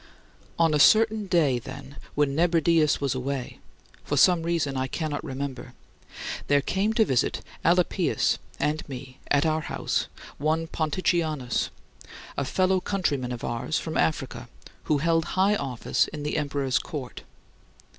14. On a certain day, then, when Nebridius was away for some reason I cannot remember there came to visit Alypius and me at our house one Ponticianus, a fellow countryman of ours from Africa, who held high office in the emperor's court.